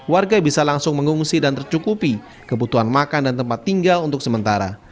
warga bisa langsung mengungsi dan tercukupi kebutuhan makan dan tempat tinggal untuk sementara